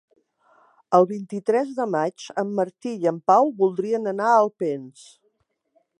El vint-i-tres de maig en Martí i en Pau voldrien anar a Alpens.